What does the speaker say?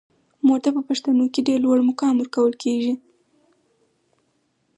مور ته په پښتنو کې ډیر لوړ مقام ورکول کیږي.